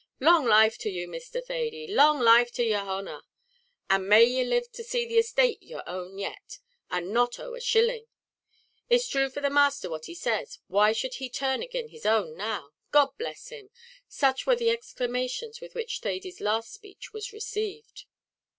"Long life to you, Mr. Thady!" "Long life to yer honer and may ye live to see the esthate your own yet, and not owe a shilling!" "It's thrue for the masther what he says; why should he turn agin his own now? God bless him!" Such were the exclamations with which Thady's last speech was received.